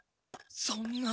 そんな。